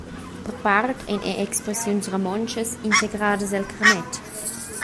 Per part ein era expressiuns romontschas integradas el carnet.